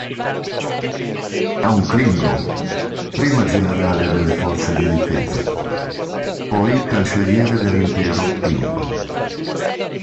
È un klingon, prima generale delle forze di difesa, poi Cancelliere dell'Impero klingon.